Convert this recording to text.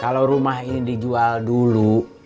kalau rumah ini dijual dulu